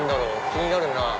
気になるなぁ。